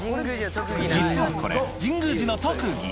実はこれ、神宮寺の特技。